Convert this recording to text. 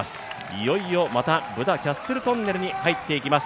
いよいよまたブダ・キャッスル・トンネルに入っていきます。